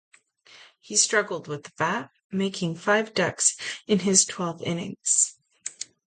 He struggled with the bat, making five ducks in his twelve innings.